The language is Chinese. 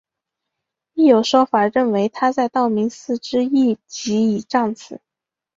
亦有说法认为他在道明寺之役即已战死。